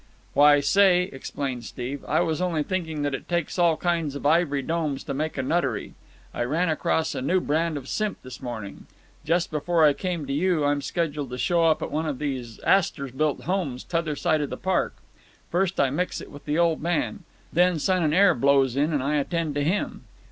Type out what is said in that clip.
"Why, say," explained Steve, "I was only thinking that it takes all kinds of ivory domes to make a nuttery. I ran across a new brand of simp this morning. Just before I came to you I'm scheduled to show up at one of these Astorbilt homes t'other side of the park. First I mix it with the old man, then son and heir blows in and I attend to him.